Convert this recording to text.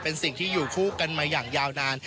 เป็นสิ่งที่อยู่คู่กันมาอย่างยาวนาน